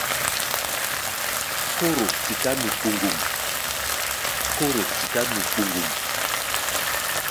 Kóro tiká nu kpoŋgom.